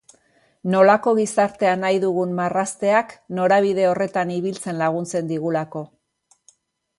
Nolakoa gizartea nahi dugun marrazteak norabide horretan ibiltzen laguntzen digulako.